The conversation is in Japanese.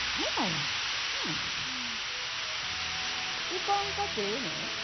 行かんかてええの？